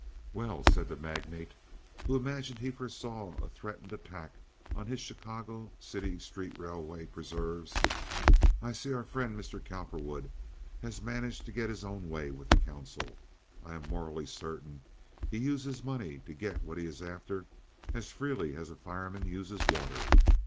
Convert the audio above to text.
"Well," said the magnate, who imagined he foresaw a threatened attack on his Chicago City Street Railway preserves, "I see our friend Mr. Cowperwood has managed to get his own way with the council. I am morally certain he uses money to get what he is after as freely as a fireman uses water.